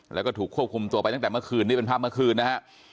แล้วก็ถูกควบคุมตัวไปตั้งแต่เมื่อคืนนี่เป็นภาพเมื่อคืนนะฮะ